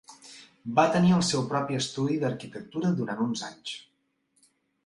Va tenir el seu propi estudi d'arquitectura durant uns anys.